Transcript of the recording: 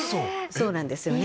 そうなんですよね。